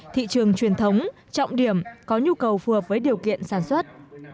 thị trường truyền thống trọng điểm có nhu cầu phù hợp với điều kiện sản xuất